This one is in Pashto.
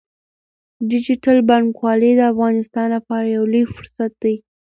ډیجیټل بانکوالي د افغانستان لپاره یو لوی فرصت دی۔